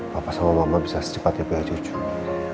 papa sama mama bisa secepatnya belaju cuy